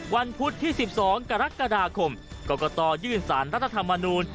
วันพุธที่สิบสองกรกฎาคมก็กระต่อยื่นสารรัฐธรรมนุน